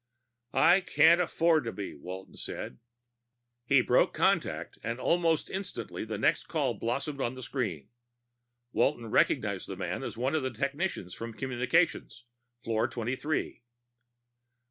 "I can't afford to be," Walton said. He broke contact and almost instantly the next call blossomed on the screen. Walton recognized the man as one of the technicians from communications, floor twenty three.